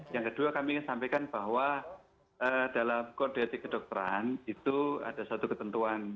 yang kedua kami ingin sampaikan bahwa dalam kode etik kedokteran itu ada satu ketentuan